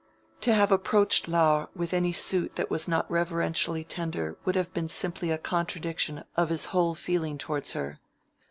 To have approached Laure with any suit that was not reverentially tender would have been simply a contradiction of his whole feeling towards her.